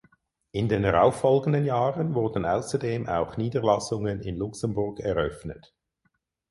In den darauffolgenden Jahren wurden außerdem auch Niederlassungen in Luxemburg eröffnet.